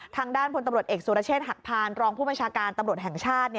ทางด้านพตเอกสุรเชษฐ์หักพารรองผู้ประชาการตแห่งชาติ